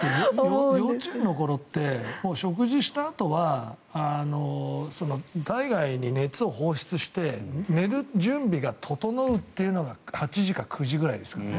幼稚園の頃って食事したあとは体外に熱を放出して寝る準備が整うというのが８時か９時ぐらいですからね。